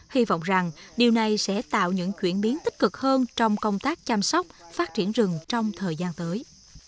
hy vọng rằng điều này sẽ tạo những chuyển biến tích cực hơn trong công tác chăm sóc phát triển rừng trong thời gian tới